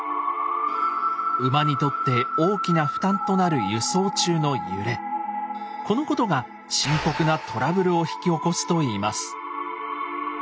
馬にとって大きな負担となるこのことが深刻なトラブルを引き起こすといいます。